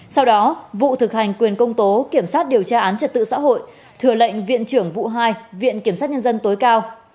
sau đó vụ thực hành quyền công tố kiểm soát điều tra án trật tự xã hội thừa lệnh viện trưởng vụ hai viện kiểm sát nhân dân tối cao